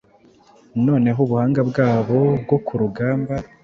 noneho ubuhanga bwabo bwokurugamba